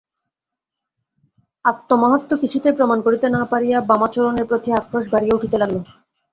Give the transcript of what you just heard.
আত্মমাহাত্ম্য কিছুতেই প্রমাণ করিতে না পারিয়া বামাচরণের প্রতি আক্রোশ বাড়িয়া উঠিতে লাগিল।